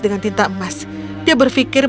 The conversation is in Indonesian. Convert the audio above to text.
dengan tinta emas dia berpikir